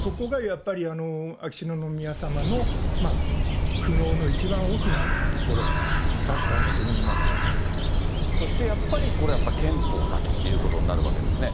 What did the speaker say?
ここがやっぱり秋篠宮さまの苦悩の一番大きなところだったんだとそしてやっぱり、これやっぱり憲法だということになるわけなんですよね。